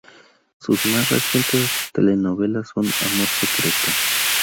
Sus más recientes telenovelas son "Amor Secreto".